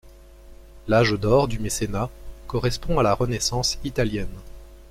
L'âge d'or du mécénat correspond à la Renaissance italienne.